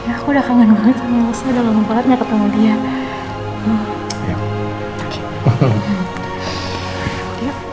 aku udah kangen banget sama nusa dalam kebetulan gak ketemu dia